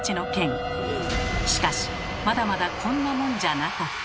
しかしまだまだこんなもんじゃなかった。